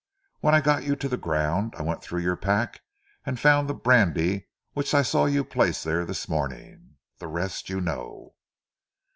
When I got you to the ground, I went through your pack and found the brandy which I saw you place there this morning. The rest you know."